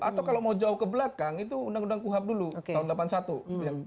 atau kalau mau jauh ke belakang itu undang undang kuhap dulu tahun seribu sembilan ratus delapan puluh satu